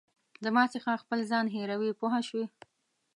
زما څخه خپل ځان هېروې پوه شوې!.